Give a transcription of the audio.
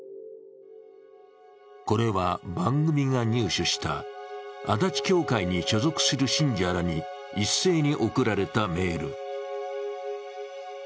これは番組が入手した足立教会に所属する信者らに一斉に送られたメール。